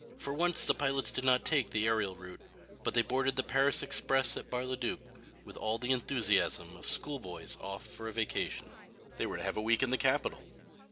For once the pilots did not take the aërial route but they boarded the Paris express at Bar le Duc with all the enthusiasm of schoolboys off for a vacation. They were to have a week in the capital!